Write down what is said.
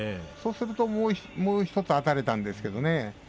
そうすればもう１つあたれたんですけどね。